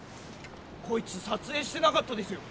こいつ撮影してなかったですよ。